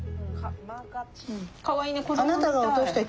かわいいね子どもみたい。